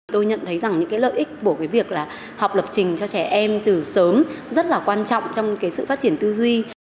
tôi nhận thấy những lợi ích của việc học lập trình cho trẻ em từ sớm rất quan trọng trong sự phát triển tư duy